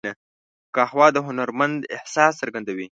قهوه د هنرمند احساس څرګندوي